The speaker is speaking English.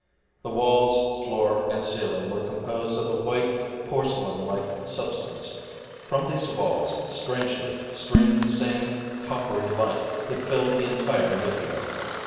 The walls, floor and ceiling were composed of a white porcelainlike substance: from these walls, strangely, streamed the same coppery light that filled the entire meteor.